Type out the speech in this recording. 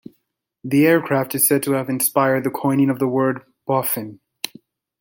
The aircraft is said to have inspired the coining of the word "Boffin".